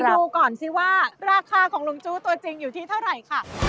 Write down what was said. ดูก่อนสิว่าราคาของลุงจู้ตัวจริงอยู่ที่เท่าไหร่ค่ะ